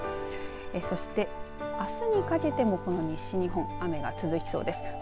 そしてあすにかけても、この西日本雨が続きそうです。